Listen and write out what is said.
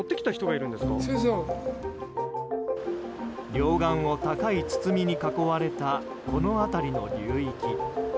両岸を高い堤に囲われたこの辺りの流域。